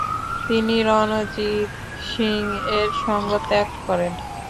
তিনি রণজিৎ সিং এর সঙ্গ ত্যাগ করেন।